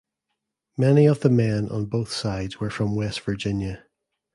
Many of the men on both sides were from West Virginia.